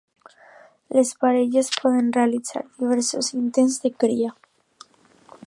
Les parelles poden realitzar diversos intents de cria.